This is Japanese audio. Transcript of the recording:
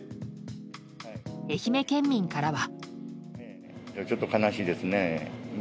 愛媛県民からは。